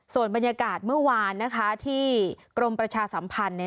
ส่วนบรรยากาศเมื่อวานที่กรมประชาสัมพันธ์